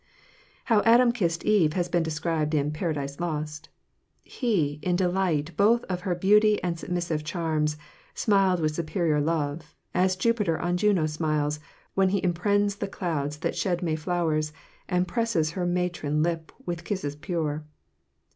How Adam kissed Eve has been described in "Paradise Lost:" —— he, in delight Both of her beauty and submissive charms, Smiled with superior love, as Jupiter On Juno smiles, when he impregns the clouds That shed May flowers: and pressed her matron lip With kisses pure.